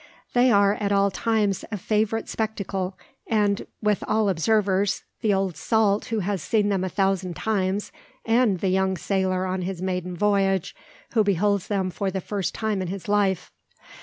They are at all times a favourite spectacle, and with all observers, the old "salt" who has seen them a thousand times, and the young sailor on his maiden voyage, who beholds them for the first time in his life.